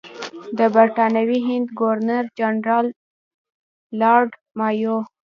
د برټانوي هند ګورنر جنرال لارډ مایو.